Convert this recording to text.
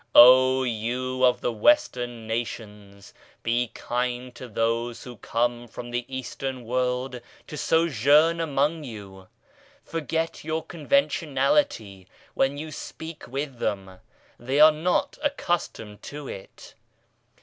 Oh you of the Western nations, be kind to those who come from the Eastern world to sojourn among you. Forget your conventionality when you speak with them ; they are not accustomed to it.